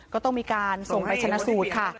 ก็ต้องมีการส่งไปชนะสูตรค่ะ